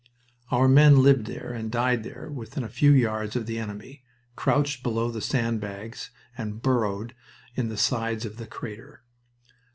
Our men lived there and died there within a few yards of the enemy, crouched below the sand bags and burrowed in the sides of the crater.